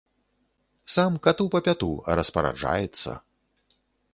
Сам кату па пяту, а распараджаецца.